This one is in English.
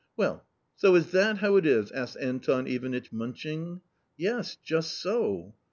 " Well, so is that how it is ?" asked Anton Ivanitch munching. " Yes, just so."